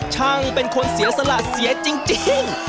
ช่างเป็นคนเสียสละเสียจริง